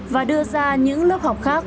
và đưa ra những lớp học khác